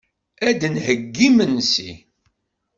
Ad d-theyyi imensi.